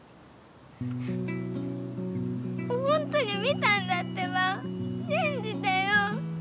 ほんとに見たんだってばしんじてよ。